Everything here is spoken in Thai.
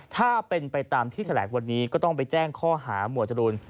ถ้าเป็นไปตามที่แถลงวันนี้ก็ต้องไปแจ้งข้อหาหมวดจรูน